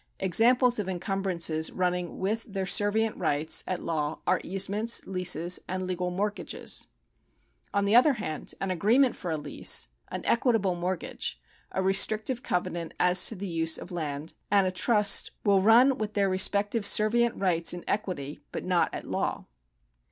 Ex amples of encumbrances running with their servient rights at law are easements, leases, and legal mortgages. On the other hand an agreement for a lease, an equitable mortgage, a restrictive covenant as to the use of land, and a trust will run with their respective servient rights in equity but not at law.